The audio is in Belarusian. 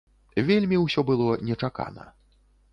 Вельмі ўсё было нечакана.